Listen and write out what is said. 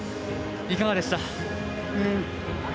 いかがでした？